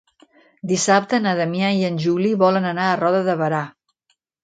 Dissabte na Damià i en Juli volen anar a Roda de Berà.